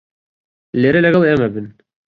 لێرە لەگەڵ ئێمە بن.